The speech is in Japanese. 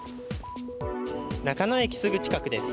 中野駅すぐ近くです。